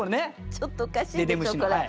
ちょっとおかしいでしょこれ。